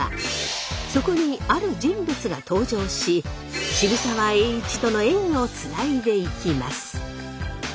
そこにある人物が登場し渋沢栄一との縁をつないでいきます。